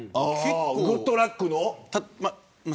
グッとラック！の。